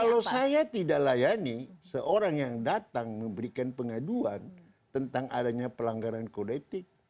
kalau saya tidak layani seorang yang datang memberikan pengaduan tentang adanya pelanggaran kode etik